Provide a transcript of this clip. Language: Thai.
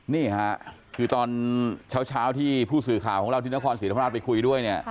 นี่ค่ะคือตอนเช้าที่ผู้สื่อข่าวของเราที่นครศรีธรรมราชไปคุยด้วยเนี่ย